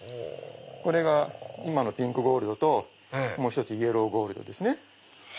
これが今のピンクゴールドともう１つイエローゴールドですね。